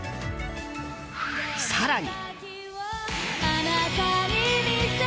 更に。